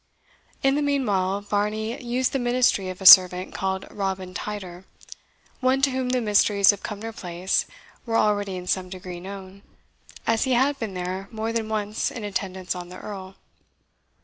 In the meanwhile, Varney used the ministry of a servant called Robin Tider, one to whom the mysteries of Cumnor Place were already in some degree known, as he had been there more than once in attendance on the Earl.